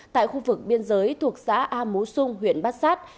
tại khu vực biên giới thuộc xã a mú xung huyện bát sát